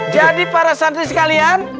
jadi para santri sekalian